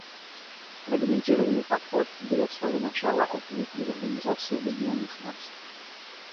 Фрагментированный подход берет свое начало отнюдь не в Организации Объединенных Наций.